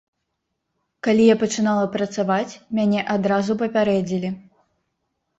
Калі я пачынала працаваць, мяне адразу папярэдзілі.